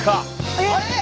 えっ！？